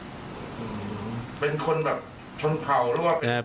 อืมเป็นคนแบบชนเผ่าหรือเปล่า